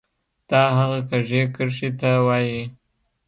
تا هغه کږې کرښې ته وایې